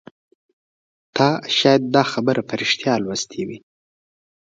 تا شاید دا خبر په ریښتیا لوستی وي